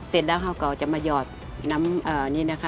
เสร็จแล้วเขาก็จะมาหยอดน้ำนี่นะคะ